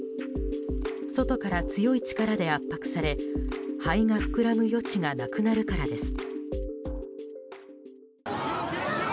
外から強い力で圧迫され肺が膨らむ余地がなくなるからです。